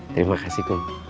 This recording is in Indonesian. terima kasih kum